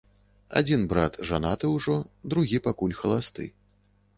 Адзін брат жанаты ўжо, другі пакуль халасты.